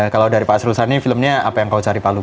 kalau dari pak asrul sani filmnya apa yang kau cari palu